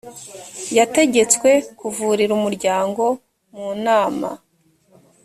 yateegetswe kuvugira umuryango mu nama